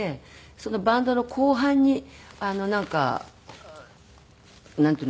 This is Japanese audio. そのバンドの後半になんかなんていうのかしら。